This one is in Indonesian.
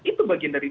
itu bagian dari